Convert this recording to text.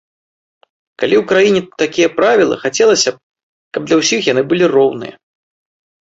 Калі ў краіне такія правілы, хацелася б, каб для ўсіх яны былі роўныя.